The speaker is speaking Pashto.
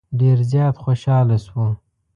ډېر زیات خوشاله شو.